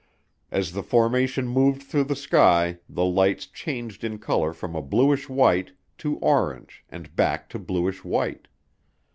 As the formation moved through the sky, the lights changed in color from a bluish white to orange and back to bluish white.